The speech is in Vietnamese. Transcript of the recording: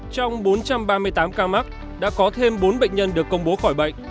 trong bốn trăm ba mươi tám ca mắc đã có thêm bốn bệnh nhân được công bố khỏi bệnh